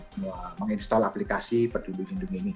semakin banyak yang menginstall aplikasi peduliindung ini